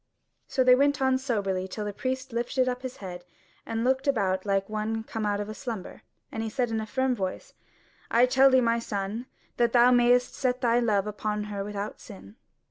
So they went on soberly till the priest lifted up his head and looked about like one come out of slumber, and said in a firm voice: "I tell thee, my son, that thou mayest set thy love upon her without sin."